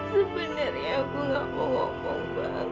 sebenernya aku gak mau ngomong bang